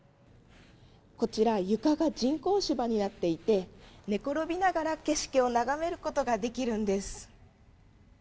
こちら、床が人工芝になっていて、寝ころびながら景色を眺めることができるんです。